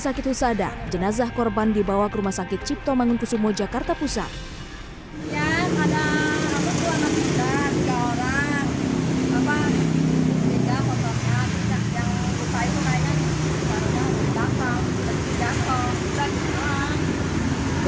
sakit husada jenazah korban dibawa ke rumah sakit cipto mangun kusumo jakarta pusat ada